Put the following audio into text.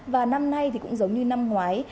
và năm nay thì cũng giống như năm ngoái